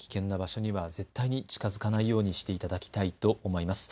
危険な場所には絶対に近づかないようにしていただきたいと思います。